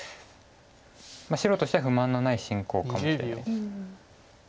白としては不満のない進行かもしれないです。